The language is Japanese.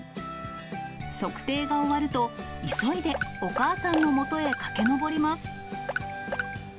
測定が終わると、急いでお母さんのもとへ駆けのぼります。